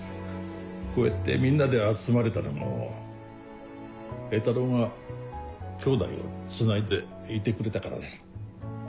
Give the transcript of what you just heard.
こうやってみんなで集まれたのも榮太郎が兄弟をつないでいてくれたからだ。